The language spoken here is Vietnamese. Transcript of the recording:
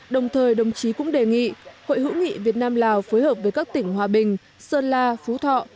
đồng thời đồng chí cũng đề nghị hội hữu nghị việt nam lào phối hợp với các tỉnh hòa bình sơn la phú thọ